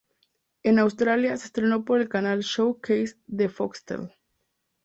En Australia se estrenó por el canal Showcase de Foxtel.